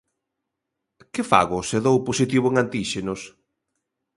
Que fago se dou positivo en antíxenos?